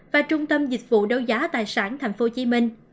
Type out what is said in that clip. và trung tâm dịch vụ đấu giá tài sản thành phố hồ chí minh